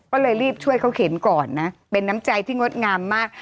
ก็เลยรีบช่วยเขาเข็นก่อนนะเป็นน้ำใจที่งดงามมาก